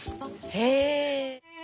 へえ。